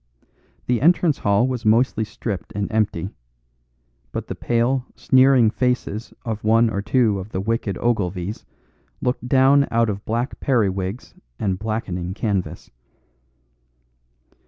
The entrance hall was mostly stripped and empty; but the pale, sneering faces of one or two of the wicked Ogilvies looked down out of black periwigs and blackening canvas.